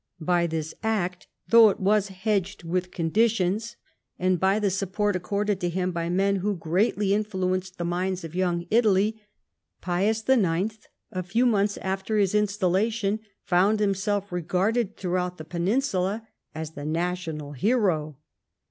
By this act, though it was hedged witb conditions ; and DECLINE AND FALL OF HIS SYSTE2L 181 by the support accorded to liim by men who greatly influenced the minds of young Italy ; Pius IX., a few months after his installation, found himself regarded throughout the peninsula as the national hero.